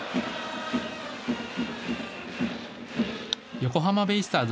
横浜ベイスターズ